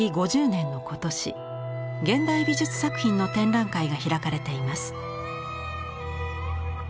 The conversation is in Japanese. ５０年の今年現代美術作品の展覧会が開かれています。